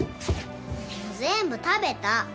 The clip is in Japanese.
全部食べた。